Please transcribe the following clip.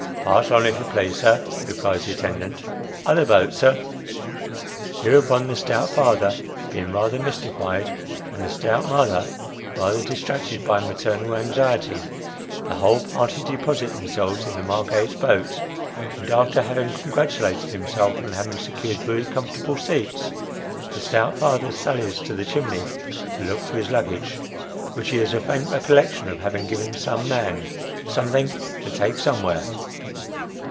" Pass on, if you please, sir," replies the attendant " other boat, sir." Hereupon the stout father, being rather mystified, and the stout mother rather distracted by maternal anxiety, the whole party deposit themselves in the Margate boat, and after having congratulated him self on having secured very comfortable seats, the stout father sallies to the chimney to look for his luggage, which ho has a faint recol lection of having given some man, something, to take somewhere.